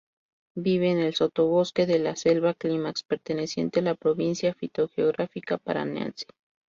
Vive en el sotobosque de la selva clímax perteneciente a la provincia fitogeográfica paranaense.